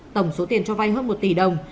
tổng số tiền cho vay hơn một tỷ đồng